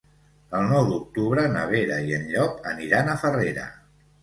El nou d'octubre na Vera i en Llop aniran a Farrera.